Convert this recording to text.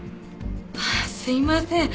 ああすいません